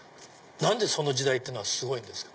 何でその時代っていうのはすごいんですか？